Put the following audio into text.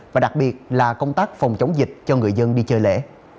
và đặc biệt là công tác phòng chống dịch cho người dân đi chơi lễ